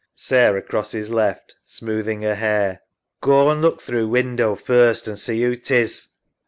SARAH (crosses left. Smoothing her hair). Goa an' look through window first, an' see who 'tis.